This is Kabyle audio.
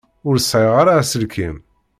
Ur sɛiɣ ara aselkim.